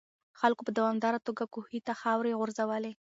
خلکو په دوامداره توګه کوهي ته خاورې غورځولې.